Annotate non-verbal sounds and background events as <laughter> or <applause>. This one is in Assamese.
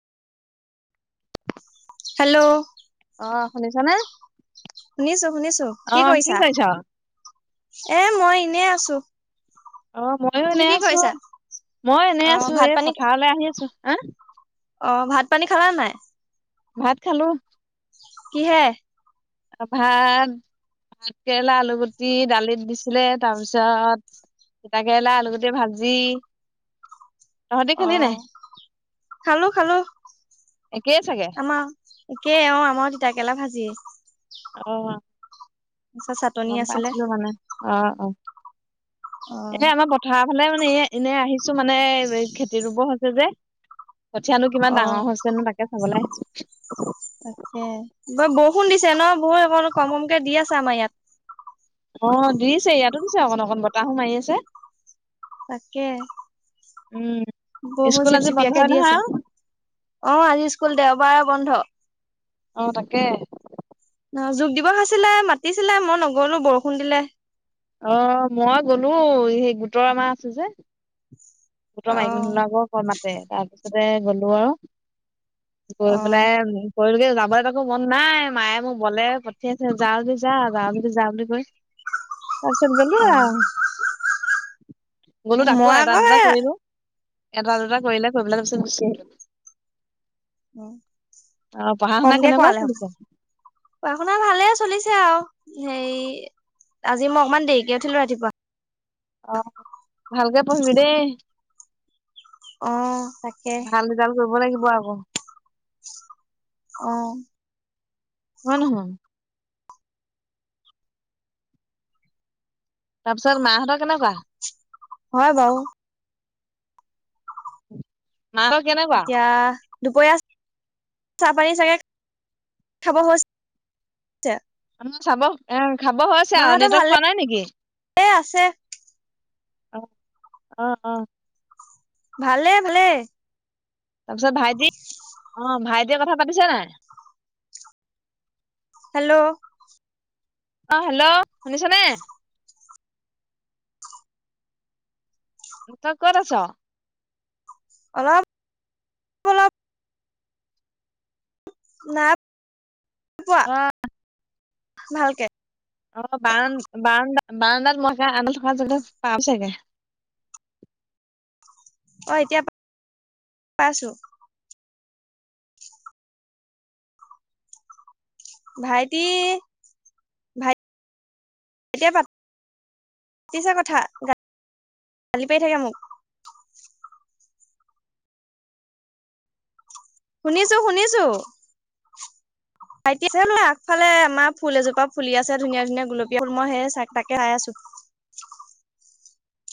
হেল্ল', অ, শুনিছ নে? শুনিছো-শুনিছো, কি কৰিছা? এ মই এনেই আছো। অ, ময়ো তুমি এনে কি আছো কৰিছা মই অ এনেই আছো ভাত এই পানী পথাৰলৈ আহি আছো। <unintelligible> অ ভাত পানী খালা নাই। ভাত খালো। কিহেৰে। ভাত ভাত কেৰেলা আলুগুটি দালিত দিছিলে তাৰপিছত তিতাকেৰেলা আলুগুটি ভাজি। তহঁতি অ খালি নাই খালো খালো একেই চাগে আমাৰ একেই অ আমাৰ তিতাকেৰেলা ভাজি। অ তাৰপিছত চাটনি গম আছিলে। পাইছিলো মানে অ অ, অ এ আমাৰ পথাৰৰ ফালে মানে, এ এনে আহি, কি মানে খেতি ৰুব হৈছে, য যে কঠীয়ানো অ কিমান ডাঙৰ হৈছেনো তাকে চাবলৈ আহিচ তাকে ব বৰষুণ দিছে ন? বহুত অকণ কম-কমকে দি আছে আমাৰ ইয়াত। অ দিছে, ইয়াতো দিছে, অকণ-অকণ বতাহো মাৰি আছে। তাকে। উম বৰষুণ স্কুল আজি চিপচিপিয়াকে বন্ধই দি নহয় আছে, আৰু অ আজি স্কুল দেওবাৰ বন্ধ অ তাকে। ন জোগ দিবসাইছিলে, মাতিছিলে, মই নগলো বৰষুণ দিলে। অ মই গলো সেই গোটৰমাহ আছে যে। গোটৰ অ মাইকী মানুহবিলাকক ক মাতে তাৰপিছত তাতে গলেও গৈ অ পেলাই কৰিলে যাবলৈ একো মন নাই, মায়ে মোক বলে পঠিয়াইছে, যা যদি যা যাওঁ যদি যা বুলি কৈ তাৰপিছত গ'লো অ আৰু, গলো তাকো মই এটা আকৌ দু সেই এটা-দুটা কৰিলে, কৰি পেলাই তাৰিছত গুছি আহিলো। উ অ পঢ়া শুনা কমকে কেনেকুৱা কোৱালে হব, চলিছে পঢ়া-শুনা ভালে চলিছে আৰু। হেই আজি মই অকমান দেৰিকে উঠিলো ৰাতিপুৱা। আহ, ভালকে পঢ়িবি দেই। অ'। তাকে ভাল ৰিজাল্ট কৰিব লাগি <inaudible> আহ হয় নহয় তাৰপিছত মাহঁতৰ কেনেকুৱা? হয় বাৰু <unintelligible> কেনেকুৱা এতিয়া দুপৰীয়া চাহপানী চাগে খাব মানুহ চাব এ খাব হৈছে আৰু মাহঁতৰ নেটৱৰ্ক ভালে পোৱা নাই নেকি? আছে আহ, আহ, আহ। ভালে-ভালে তাৰপিছত ভাইটি, অ ভাইট এতিয়া কথা পাতিছে নাই? হেল্ল' অ' হেল্ল' শুনিছা নে? তই কত আছো? অলপ-অলপ নাপ পোৱা অ ভালকে অ', বাৰন-বান্দা বাৰডাত মই <unintelligible> আন থকা <unintelligible> য পাম চাগে অ', এতিয়া <unintelligible> পাইছো। ভাইটি ভাইটি এতিয়া পাতিছা কথা, গালি পাই থাকে মোক। শুনিছো শুনিছো, ভাইটি আছে <unintelligible> বোলে আগফালে আমাৰ ফুল এজোপা ফুলি আছে ধুনীয়া ধুনীয়া গুলপীয়া ফুল মই সে চাই তাকে চাই আছো।